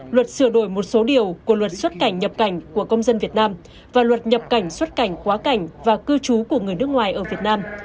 luật sửa đổi một số điều của luật xuất cảnh nhập cảnh của công dân việt nam và luật nhập cảnh xuất cảnh quá cảnh và cư trú của người nước ngoài ở việt nam